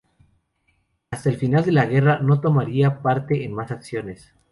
Hasta el final de la guerra no tomaría parte en más acciones.